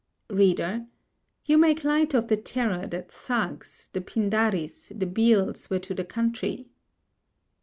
READER: You make light of the terror that Thugs, the Pindaris, the Bhils were to the country.